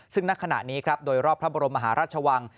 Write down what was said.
ซึ่งณขณะนี้ครับโดยรอบพระบรมมหาราชวัง